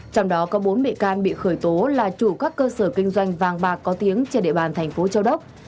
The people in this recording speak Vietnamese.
trong đó có bốn bị can bị khởi tố là chủ các cơ sở kinh doanh vàng bạc có tiếng trên địa bàn thành phố châu đốc